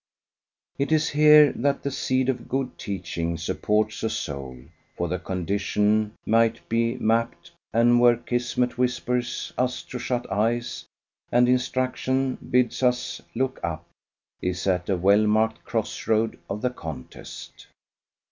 It is here that the seed of good teaching supports a soul, for the condition might be mapped, and where kismet whispers us to shut eyes, and instruction bids us look up, is at a well marked cross road of the contest.